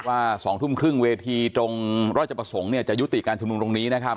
ว่า๒ทุ่มครึ่งเวทีตรงราชประสงค์เนี่ยจะยุติการชุมนุมตรงนี้นะครับ